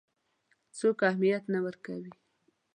څوک اهمیت نه ورکوي.